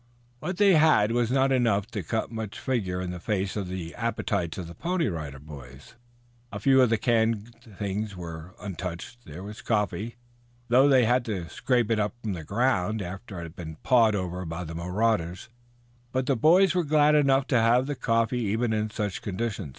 What they had was not enough to cut much figure in the face of the appetites of the Pony Rider Boys. A few of the canned things were untouched. There was coffee, though they had to scrape it up from the ground after it had been pawed over by the marauders, but the boys were glad enough to have the coffee even in such a condition.